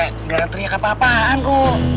kita gak denger denger kapan kapan ku